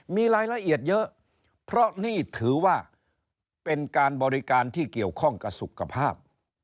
มีรายละเอียดเยอะเพราะนี่ถือว่าเป็นการบริการที่เกี่ยวข้องกับสุขภาพ